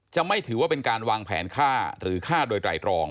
ไม่ถือว่าเป็นการวางแผนฆ่าหรือฆ่าโดยไตรรอง